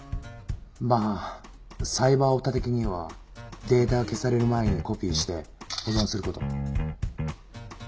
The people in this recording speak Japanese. まあサイバーオタ的にはデータが消される前にコピーして保存する事。